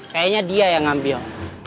kayaknya dia yang ngambil